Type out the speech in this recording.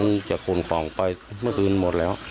มันจะขนของไปเมื่อคืนหมดแล้ว